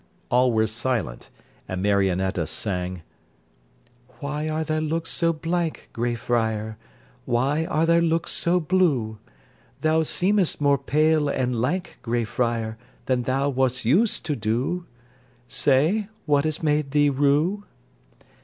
_) All were silent, and Marionetta sung: Why are thy looks so blank, grey friar? Why are thy looks so blue? Thou seem'st more pale and lank, grey friar, Than thou wast used to do: Say, what has made thee rue?